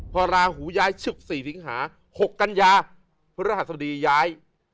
พอราหูย้ายชึกสี่ถึงหา๖กัญญาพระราชสมดีย้าย